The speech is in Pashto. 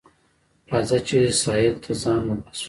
راځه چې ساحل ته ځان وباسو